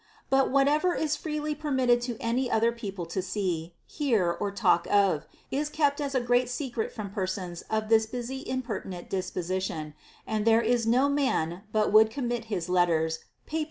But whatever is freely permitted to any other people to see, hear, or talk of, is kept as a great secret from persons of this busy impertinent disposition ; and there is no man but would commit his letters, papers.